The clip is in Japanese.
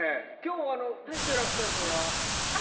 今日来てらっしゃるのは？